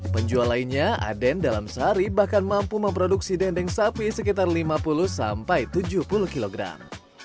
penjual lainnya aden dalam sehari bahkan mampu memproduksi dendeng sapi sekitar lima puluh sampai tujuh puluh kilogram